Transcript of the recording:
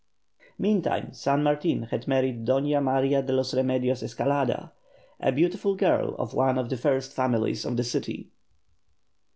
Meantime San Martin had married Doña Maria de los Remedios Escalada, a beautiful girl of one of the first families of the city.